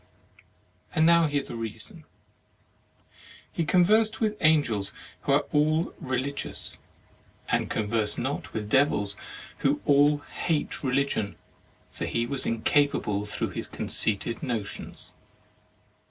"And now hear the reason: he con versed with Angels who are all re ligious, and conversed not with Devils who all hate reUgion, for he was incapable through his conceited no tions.